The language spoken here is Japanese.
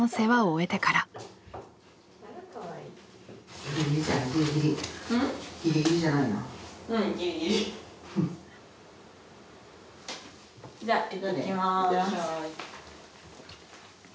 いってらっしゃい。